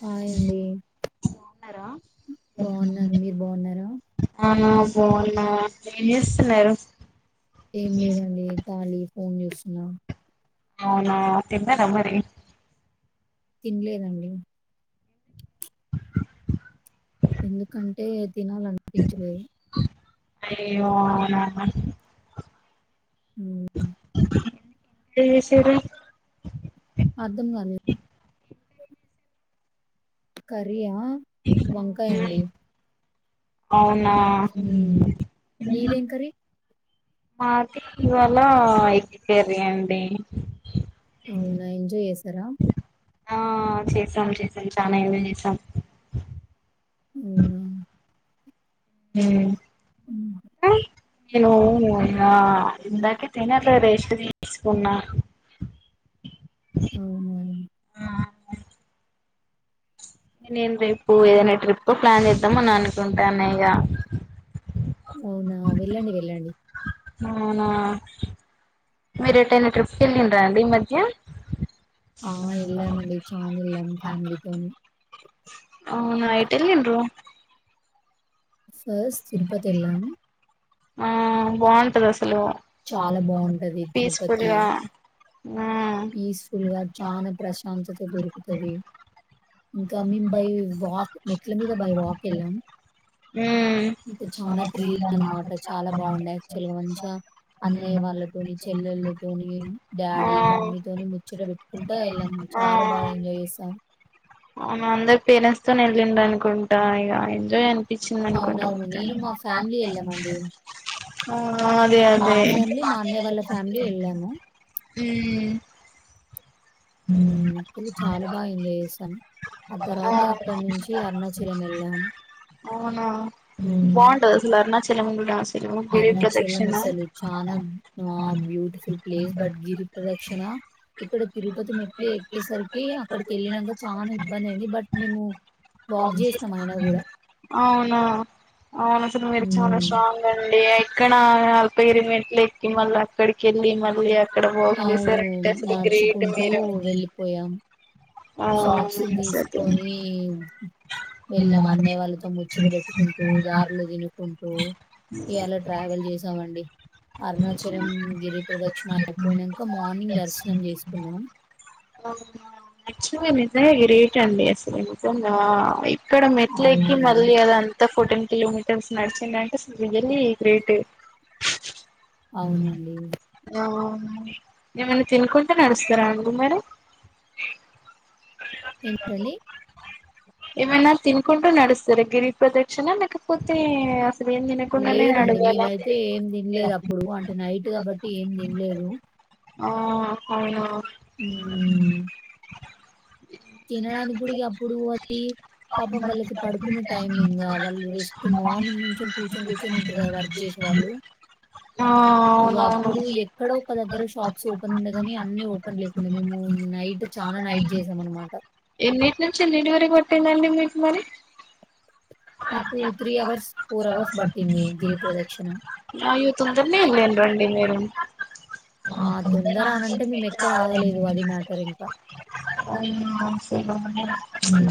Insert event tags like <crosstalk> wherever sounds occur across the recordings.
Hi అండి ఉన్నారా బాగున్నాను మీరు బాగున్నారా ఆ బాగున్నా ఏం చేస్తున్నారు ఏం లేదండి తాళి ఫోన్ చూస్తున్న అవునా తినరా మరి తిన్లేదండి ఎందుకంటే తినాలనిపించలేదు అయ్యో అవునా మ్ ఏం చేసిరు అర్థం కాలేదు కర్రీ ఆ వంకాయండి అవునా మీదేం కర్రీ? మాది ఇవాళ ఎగ్ కర్రీ అండి అవునా ఎంజాయ్ చేసారా ఆ చేసాం చేసాం చనా ఎంజాయ్ చేసాం అవునా! నేనూ హ్మ్. అవునునవును ఆ ఇందాక తిని అట్లా రెస్ట్ తీసుకున్న అవునునవును పని ఎమ్ చెయివ్ ఏదైయినా ట్రిప్ ప్లాన్ చేద్దాం అని అనుకుంటాను ఇక అవునా వెళ్ళండి వెళ్ళండి అవునా మీరు ఎటైనా ట్రిప్కి వెళ్ళిండ్రా అండి ఈ మధ్య ఆ వెళ్ళామండి చాల వెళ్ళాం ఫ్యామిలీతోని అవునా ఎటు వెళ్ళీండ్రు ఫస్ట్ తరుపతి వెళ్ళాం ఆ బాగుంటది అసలు చాలా హలో పీస్ ఫుల్గా పీస్ఫుల్ గా చానా ప్రశాంతత దొరుకుతాది ఇంకా మేము బై వాక్ మెట్ల మీద బై వాక్ వెళ్ళాం ఉమ్ అంటే చాలా థ్రిల్ అండేనమాట చాలా బాగుండే యాక్చువల్ గా మంచిగా అన్నయ్య వాళ్ళతోని చెల్లెళ్లతోని ఆ డాడీ మమ్మీ తోనీ ముచ్చట బెట్టు నడుచుకుంటా వెళ్ళాము చాలా బాగా ఎంజాయ్ చేసాం అవున అందరి పేరెంట్స్ తొని వెళ్ళిండ అనుకుంటా ఇక ఎంజాయ్ అను కనిపించిందనుకుంటా అవునవును. నేను మా ఫ్యామిలీ వెళ్ళామండి. అవును ఆ అదే అదే వెళ్తాము హ అసలు చాలా బాగా ఎంజాయ్ చేసాం ఆ తర్వాత అవును అక్కడి నుంచి అరుణాచలం వెళ్ళాము బాగుంటాది అసలు అరుణాచలం స <unintelligible> అరుణాచలం అసలు చనా ఆ బ్యూటిఫుల్ ప్లేస్ బట్ గిరి ప్రదక్షిణ ఇక్కడ తిరుపతి మెట్లు ఎక్కేసరికి అక్కడికి వెళ్ళినాంక చాలా ఇబ్బంది అయ్యింది బట్ మేము వాక్ చేసినాం అయిన కూడా అవునా అవును అసలు మీరు చాలా హ్మ్. స్ట్రాంగ్ అండి ఎక్కిన అల్పగిరి మెట్లు ఎక్కి మళ్ళీ అక్కడికి వెళ్ళి మళ్ళీ ఇక్కడ పోగు అవును. చెసారు అంటే చాలా గ్రేట్ నడుచుకుంటూ మీరు అంటే సాక్స్లు తీసుకొని వెళ్ళాం అన్నయ్య వాళ్ళకి మొత్తం ముచ్చట పెట్టుకుంటూ దార్లు తినుకుంటూ ఇవాలా ట్రావెల్ చేసామండి అరుణాచలం గిరి ప్రదక్షిణ అయిపోయినాక మార్నింగ్ దర్శనం చేసుకున్నాం అదే గ్రేట్ అండి అసలు <unintelligible> ఇక్కడ మెట్లేకి అవునండి. మళ్లి అద అంత ఫుటన్ కిలోమీటర్స్ నడిచిందంటే అస రియల్లీ గ్రేట్ అవునండి ఏమన్న తిను కుంటా నడుస్తారా అండి మరి ఏంటండి ఏవన్నా తినుకుంటూ నడుస్తారా గిరి ప్రదక్షిణ లేక పోతే ఏం తినకుండా నే నడువాల ఇప్పుడు అంటే నైట్ కాబట్టి ఏం తినలేదు ఆ అవునా హ్మ్ తినడానికి గుడి అప్పుడు అది పాపం వాళ్ళకి పడుకునే టైమింగ్ వాళ్ళు రెస్ట్ మార్నింగ్ నుంచి కూర్చొని కూర్చొని ఉంటారు కదా వర్క్ చేసే వాళ్ళు ఆ ఇక అవునవును అప్పుడు ఎక్కడో ఒక దగ్గర షాప్స్ ఓపెన్ ఉండే గాని అన్ని ఓపెన్ లేకుండా మేము నైట్ చాలా నైట్ చేసాం అనమాట ఎన్నింటి నుంచి ఎన్నింటి వరకు పట్టిందండి మీకు మరి మాకు అవర్స్, అవర్స్ పట్టింది గిరి ప్రదక్షిణ. నా పదండి లేను రండి మీరు ఆ! తొందర అనంటే మేమెక్కడ ఆగలేదు. అది మ్యాటర్ ఇంకా.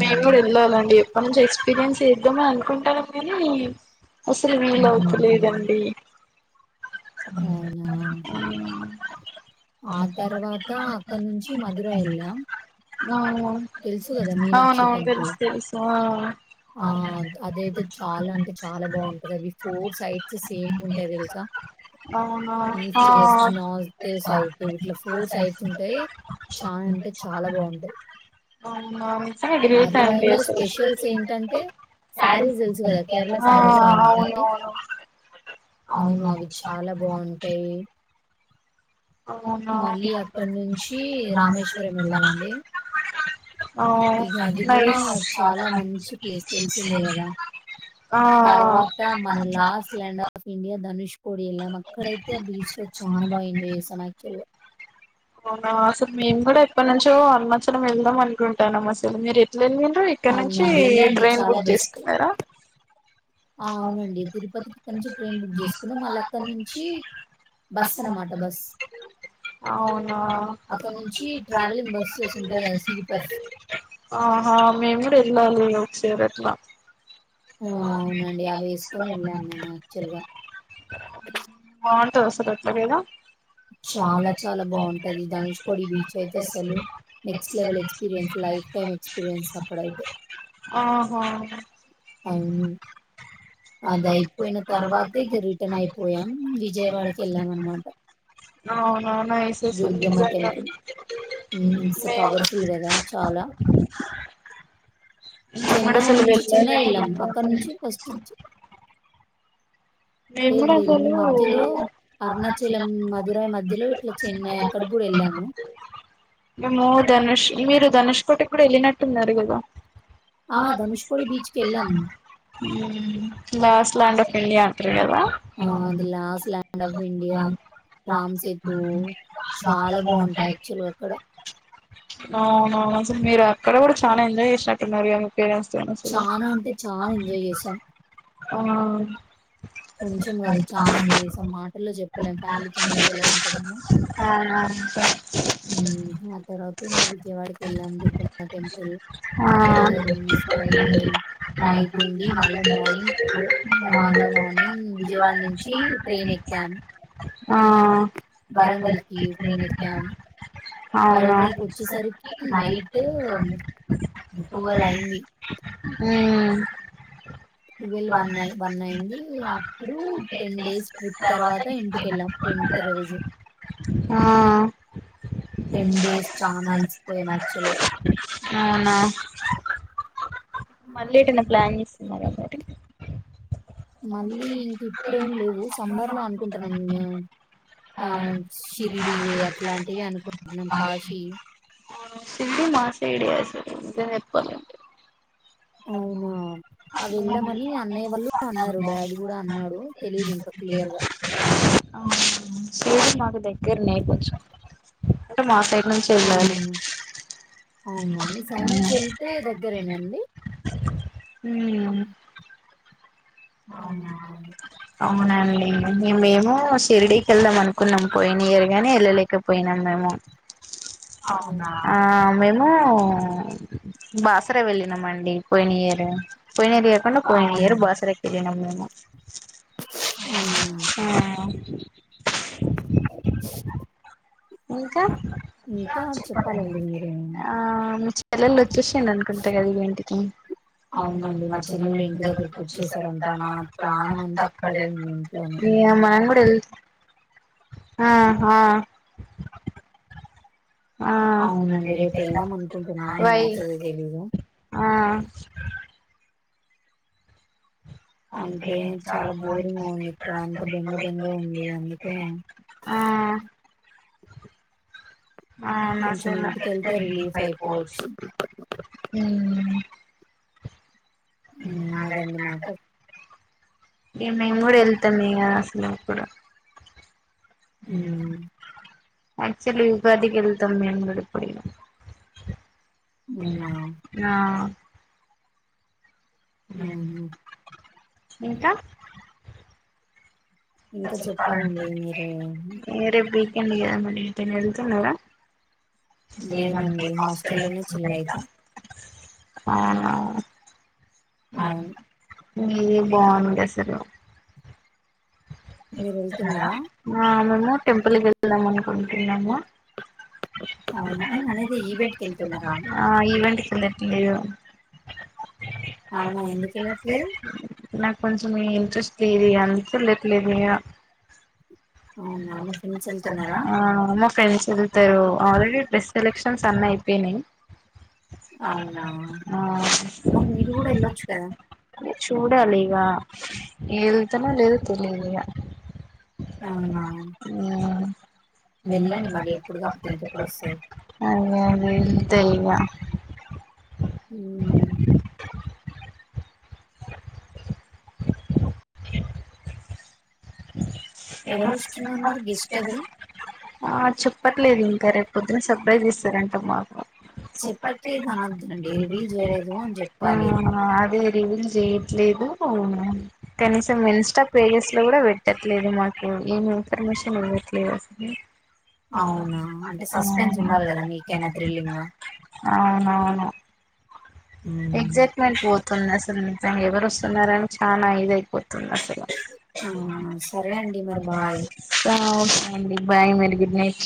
మేము కూడా వెళ్ళాలండి ఎప్పటి నుంచి ఎక్స్పీరియన్స్ చేద్దామని అనుకుంటాను ఎనీ అసలు హుహు. వీలవుతలేదండి అవునా! <unintelligible> ఆ తర్వాత అక్కడ నుంచి మధుర వెళ్ళాం అవు అవున అవును టెంపుల్. తెలుసు తెలుసు అ ఆహ్, అదైతే చాలా అంటే చాలా బావుంటది. అవి సైడ్స్ సేమ్ ఉంటాయి తెలుసా! ఈస్ట్, వెస్ట్, నార్త్, సౌత్ ఇట్లా ఆ సైడ్స్ ఉంటాయి. చాలా అంటే చాలా బావుంటాయి. అ మధురైలో స్పెషల్స్ ఏంటంటే శారీస్ అ తెలుసు గదా! కేరళ శారీస్‌లా ఉంటాయి. అవును. అవి అవునువును చాలా బావుంటై. అవునా. అక్కడి నుంచి రామేశ్వరం ఎళ్ళామండి. ఆ ఇక అది గూడా నైస్ చాలా ఆ. మంచి ప్లేస్ తెలిసిందే గదా! తర్వాత మన last land of India Dhanushkodi ఎల్లామ్ అక్కడైతే, బీచ్ లో చానా బాగా ఎంజాయ్ చేశాన్ ఆక్చువల్ గా. అవునా అసలు మేము గూడా ఎప్పట్ నుంచో, అరుణాచలం వెళ్దాం అనుకుంటానం అసలు మీర్. వెళ్ళిండ్రు ఇక్కడ్ అవునా నుంచి వెళ్ళండి ట్రైన్ చాలా బుక్ బెస్ట్ చేసుకున్నారా. ఆ అవునండి తిరుపతికి ఇక్కడ నుంచి ట్రైన్ బుక్ చేసుకున్నాం మళ్ళీ అక్కడ నుంచి బస్ అన్నమాట బస్ అవునా అక్కడ నుంచి ట్రావెలింగ్ బస్సెస్ ఉంటాయి కదా స్లీపర్స్ ఆహా మేము కూడా ఏళ్ళాలి. సేరట్లా. ఆ. డి అవి ఏసుకొని వెళ్ళాం మేము ఆక్చువల్ గా. చాలా చాలా బాగుంటది ధనుష్కోడి బీచ్ అయితే అసలు next level experience life time experience అక్కడైతే <unintelligible> ఆ. ఆ. అవును. అదయిపోయిన తర్వాత ఇక రిటర్న్ అయిపోయాం. విజయవాడకెళ్ళామనమాట. అవునవును దుర్గమ్మ టెంపుల్. హ్మ్. ఇట్స్ పవర్‌ఫుల్ గదా! చాలా. <inaudible> మడ సలు వెళ్లే వెళ్ళం అక్కడ నుంచి ఫస్ట్ మేం లేదు కూడా అటు లేదు. మేము మధ్యలో ఎల్లినం అరుణాచలం, మధురై మధ్యలో ఇట్లా చెన్నై అక్కడికి గూడా ఎళ్ళాము. మేము ధనుష్ మీరు ధనుష్ కోటికీ కూడా వెళ్ళినట్టున్నారు కదా ఆ! ధనుష్కోడి బీచ్‌కెళ్ళాం. స్లాండ ఇండియా అంటారు కదా ఆ అది last land of India Ram Setu చాలా బాగుంటాయి యాక్చువల్గా అక్కడ అవును అసలు మీరు అక్కడ కూడా చాలా ఎంజాయ్ చేసినట్టున్నారు స్త చానా అంటే చానా ఎంజాయ్ చేశాం. ఆ కొంచెం కాదు చనా చేసాం మాటల్లో చెప్పలేం ఫ్యామిలీతో వెళ్తే ఎలా ఉంటదని ఆ ఆ తర్వాత ఇంకా విజయవాడకి వెళ్ళాం దుర్గుమ్మ టెంపుల్ అక్కడ రూమ్ తీసుకని నైట్ ఉండి మళ్ళా మార్నింగ్ మళ్ళా మార్నింగ్ విజయవాడ నుంచి ట్రైన్ ఎక్కాం ఆ వరంగల్ కి ట్రైన్ ఎక్కాం అవునా వరంగల్ కి వచ్చేసరికి నైట్ టువెల్ అయింది ఉమ్ టూవెల్ వన్ వన్ అయింది అప్పుడు టెన్ డేస్ ట్రిప్ తర్వాత ఇంటిక వెళ్ళాం టెన్త్ రోజు ఆ టెన్ డేస్ చానా అలిసిపోయాం యాక్చువల్ గా అవునా మళ్ళీ ఏటైనా ప్లాన్ చేస్తున్నార మళ్ళీ ఇంక ఇప్పుడేం లేవు సమ్మర్ లో అనుకుంటున్నాం ఇంకా ఆ షిరిడి అట్లాంటివి అనుకుంటున్నాం కాశీ షిరిడి మా సైడే అసలు నిజం చెప్పాలంటే <inaudible> అవునా అవి వెళ్దామని అన్నయ్య వాళ్ళు అన్నారు డాడీ కూడా అన్నాడు తెలీదు ఇంకా క్లియర్ గా అ షిరిడీ మాకు దగ్గరనే కొంచం అంటే మా సైడే అవునా అవునా మీ సైడ్ నుంచి వెళితే దగ్గరేనా ఉమ్ అండి ఉమ్ అవునా అవునండి మ మేము షిర్డీకి వెళ్దాం అనుకున్నాం పోయిన ఇయర్ గాని వెళ్ళలేకపోయినాం మేము అవునా ఆ మేము బాసర వెళ్ళినామండి పోయినా ఇయర్ పోయిన ఇయర్ పోయిన ఇయర్ అవును బాసర కి ఎల్లాము. అవునా హా. ఇంకా. ఇంకా చెప్పాలండి మీరేమీ. <inaudible> చూశాన్ అనుకుంట కదా ఇవంటి. ఉమ్. అవునండి మా చెల్లెలు ఇంటి దగ్గరకి వచ్చేసారంట్. ఇంట్లోనే ఇగ మనం గుడ్. తెల్స్. ఆ ఆ. ఆ అవునండి రేపు వెళ్దాం అనుకుంటున్నా వై ఏమైతేదో తెలీదు. ఆ. అంటే చాలా బోరింగ్ గా ఉంది ఇక్కడ, అంత బెంగ బెంగ ఉంది అందుకే. ఆ కొంచెం ఇంటికెళ్తే రిలీఫ్ <unintelligible> అయిపోవచ్చు ఉమ్ ఉమ్ అదండి మ్యాటర్ ఇగ మేము కూడా వెళ్తాం ఇగ అసలు కూడా మ్మ్ యాక్చువలీ ఉగాదికి వెళ్తాం మేము కూడా అవునా <unintelligible> హా మ్మ్ ఇంకా ఇంకా చెప్పాలండి మీరే ఏ రేప్ వీ <unintelligible> ఏమొ అండి లేదండి హాస్టల్లోనే చిల్ హాస్టల్లనే అయితా <unintelligible> అవునా అవును మీదే బాగుంది అస్ సరే మీరు వెళ్తున్నారా ఆ మొన్న టెంపుల్ కెళ్దాం అనుకున్ తిన్నమ్మా అవునా నేను అనేది ఈవెంట్ కి వెళ్తున్నారా ఆ ఈవెంట్ కెల్లట్లేదు అవునా ఎందుకెళ్ళట్లేదు? నాకు కొంచెం ఇంట్రెస్ట్ లేదిగా అందుకే వెళ్లట్ లేదిగ అవునా మీ ఫ్రెండ్స్ వెళ్తున్నారా ఆ మా ఫ్రెండ్స్ ఎల్తారు ఆల్రెడీ ప్రెస్ సెలెక్షన్స్ అన్నయిపోయినాయి ఆ అవునా మరి మీరు కూడా వెళ్ళొచ్చు కదా చూడాలి ఇక వెళ్తనా లేదు తెలీదిగా అవునా ఉమ్ వెళ్ళండి మరి అదే ఇప్పుడు కాకపోతే ఇంకెప్పుడు వస్తారు అదే ఎల్త ఇగ ఉమ్ <inaudible> <inaudible> ఎవరు వస్తున్నారు మరి గెస్ట్ ఎవరు ఆ చెప్పట్లేదు ఇంకా రేపు పొద్దున సర్ప్రైజ్ ఇస్తారంట మాకు. చెప్పట్లేదు అనొద్దండి రివీల్ చేయలేదు అని చెప్పాలి ఆ అదే రివీల్ చేయట్లేదూ కనీసం ఇన్స్ట పేజెస్ లో కూడా పెట్ ట్లేదు మాకు ఏం ఇన్ఫర్మేషన్ ఇవ్వట్లేదసలే అవును అవునా అంటే సస్పెన్స్ ఉండాలి కదా మీకైనా థ్రిల్లింగ్ గా అవునవును ఎక్సైట్మెంట్ పోతుంది. అసలు నిజంగా ఎవరు వస్తున్నారని చానా ఇద అయిపోతుంది అసల అవునా సరే అండి మరి బాయ్ ఓకే అండి బాయ్ మరి గుడ్ నైట్